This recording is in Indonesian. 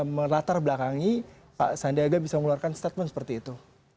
melatar belakangi pak sandiaga bisa mengeluarkan statement seperti itu